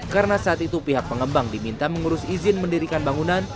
karena saat itu pihak pengembang diminta mengurus izin mendirikan bangunan